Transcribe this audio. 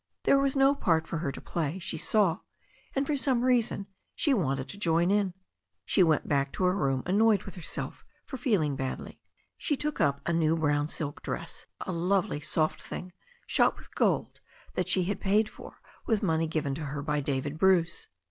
There was no part for her to play, she saw, and for sotpe reason she wanted to join in. She went back to her room annoyed with herself for feeling badly. She took up a new brown silk dress, a lovely soft thing, shot with gold, that she had paid for with money given to her by David Bruce.